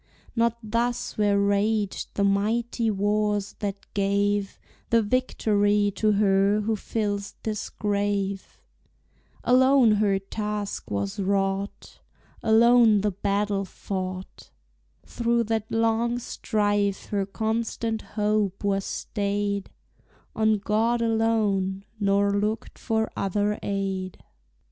Not thus were raged the mighty wars that gave The victory to her who fills this grave; Alone her task was wrought, Alone the battle fought; Through that long strife her constant hope was staid On God alone, nor looked for other aid.